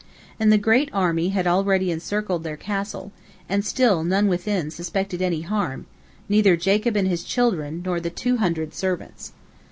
And the great army had already encircled their castle, and still none within suspected any harm, neither Jacob and his children nor the two hundred servants.